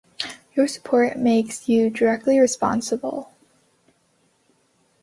Your support makes you directly responsible.